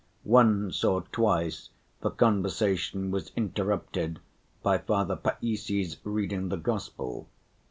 Once or twice the conversation was interrupted by Father Païssy's reading the Gospel.